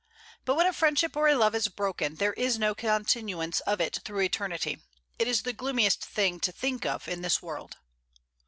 But when a friendship or a love is broken, there is no continuance of it through eternity. It is the gloomiest thing to think of in this whole world.